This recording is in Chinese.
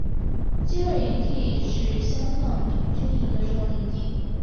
基维尔营地是香港童军一个重要的营地。